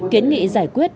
kiến nghị giải quyết